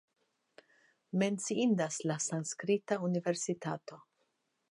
Menciindas la sanskrita universitato.